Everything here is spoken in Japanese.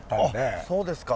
あっそうですか。